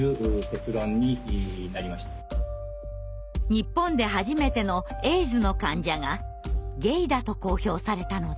日本で初めてのエイズの患者がゲイだと公表されたのです。